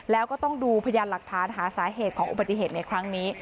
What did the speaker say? แล้วก็ต้องดูพยานหลักฐานหาสาเหตุของอุบัติเหตุในครั้งนี้